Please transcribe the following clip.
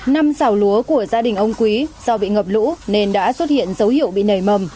năm xào lúa của gia đình ông quý do bị ngập lũ nên đã xuất hiện dấu hiệu bị nảy mầm